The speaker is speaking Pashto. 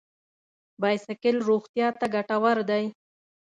بایسکل روغتیا ته ګټور دی.